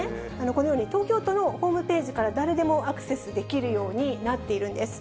このように、東京都のホームページから、誰でもアクセスできるようになっているんです。